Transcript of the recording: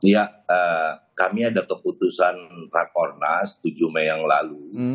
ya kami ada keputusan rakornas tujuh mei yang lalu